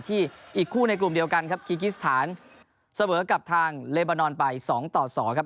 อีกคู่ในกลุ่มเดียวกันครับคีกิสถานเสมอกับทางเลบานอนไป๒ต่อ๒ครับ